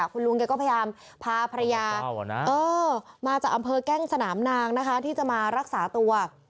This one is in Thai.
คุณลุงแกก็พยายามพาภรรยามาจากอำเภอแก้งสนามนางนะคะที่จะมารักษาตัว